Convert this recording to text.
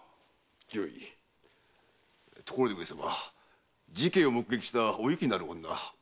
ところで上様事件を目撃した「おゆき」なる女